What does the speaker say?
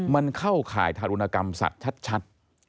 มันเข้าข่ายทารุณกรรมสัตว์ชัด